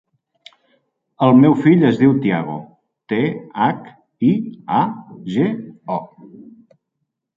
El meu fill es diu Thiago: te, hac, i, a, ge, o.